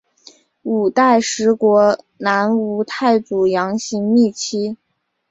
五代十国南吴太祖杨行密妻。